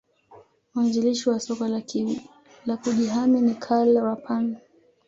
Mwanzilishi wa soka la kujihami ni Karl Rapan